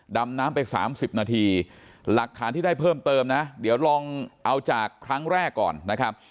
ดำน้ำไป๓๐นาทีหลักฐานที่ได้เพิ่มเติมนะเดี๋ยวลองเอาจากครั้งแรกก่อนนะครับ